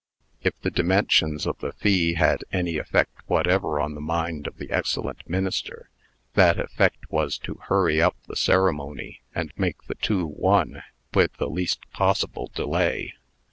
If the dimensions of the fee had any effect whatever on the mind of the excellent minister, that effect was to hurry up the ceremony, and make the two one with the least possible delay.